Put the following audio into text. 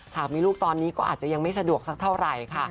หากมีลูกตอนนี้ก็อาจจะยังไม่สะดวกสักเท่าไหร่ค่ะ